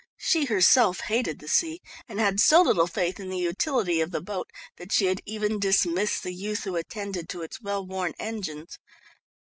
She herself hated the sea and had so little faith in the utility of the boat, that she had even dismissed the youth who attended to its well worn engines.